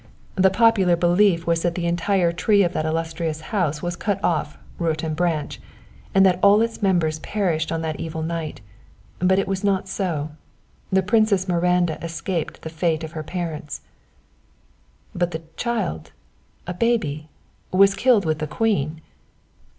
The popular belief was that the entire tree of that illustrious house was cut off root and branch, and that all its members perished on that evil night, but it was not so. The Princess Miranda escaped the fate of her parents." "But the child a baby was killed with the queen."